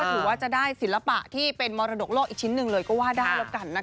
ถือว่าจะได้ศิลปะที่เป็นมรดกโลกอีกชิ้นหนึ่งเลยก็ว่าได้แล้วกันนะคะ